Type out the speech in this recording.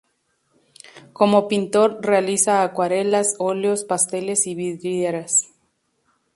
Como pintor, realiza acuarelas, óleos, pasteles y vidrieras.